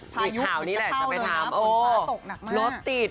พลายุคมันจะเข้าเลย